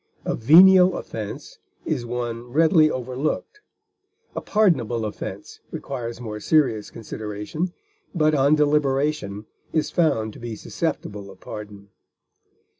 A venial offense is one readily overlooked; a pardonable offense requires more serious consideration, but on deliberation is found to be susceptible of pardon.